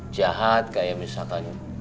jahat kayak misalkan